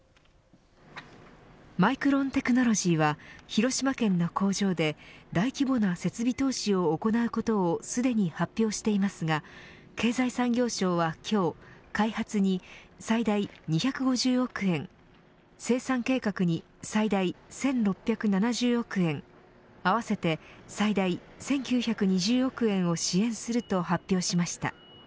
マイクロン・テクノロジーは広島県の工場で大規模な設備投資を行うことをすでに発表していますが経済産業省は今日開発に最大２５０億円生産計画に最大１６７０億円合わせて最大１９２０億円を支援すると発表しました。